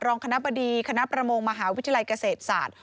รองคณะบดีคณะประมงมหาวิทยาลัยเกษตรศาสตร์